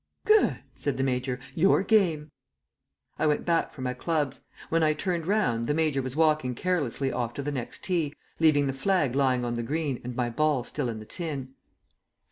"Good," said the Major. "Your game." I went back for my clubs. When I turned round the Major was walking carelessly off to the next tee, leaving the flag lying on the green and my ball still in the tin.